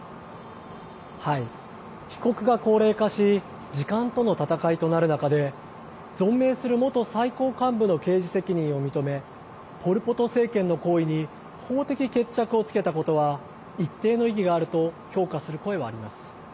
被告が高齢化し時間との闘いとなる中で存命する元最高幹部の刑事責任を認めポル・ポト政権の行為に法的決着をつけたことは一定の意義があると評価する声はあります。